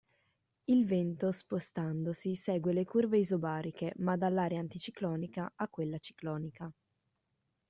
Il vento spostandosi segue le curve isobariche ma dall'area anticiclonica a quella ciclonica.